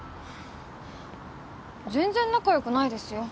全然仲よくないですよ。